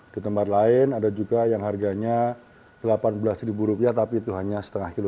di tempat lain harganya sekitar delapan belas rupiah tapi itu hanya setengah kilo